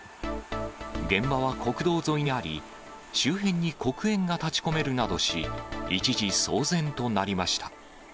現場は国道沿いにあり、周辺に黒煙が立ちこめるなどし、一時騒然となりました。